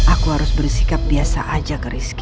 aku harus bersikap biasa aja ke rizky